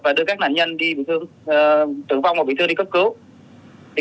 và đưa các nạn nhân tử vong và bị thương đi cất cứu